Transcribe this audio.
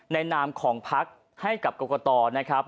ในนามของภาคให้กับกรกตรนะครับ